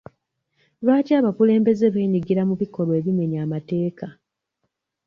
Lwaki abakulembeze beenyigira mu bikolwa ebimenya amateeka?